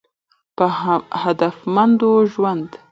په هدفمند ژوند